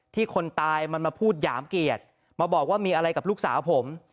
คนตายมันมาพูดหยามเกียรติมาบอกว่ามีอะไรกับลูกสาวผม